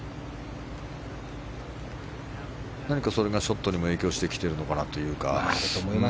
それがショットにも影響してるのかなというか。